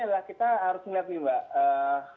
adalah kita harus melihat nih mbak